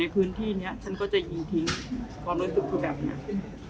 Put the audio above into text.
พื้นที่นี้ฉันก็จะยิงทิ้งความรู้สึกคือแบบเนี้ย